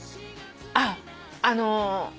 あっあの。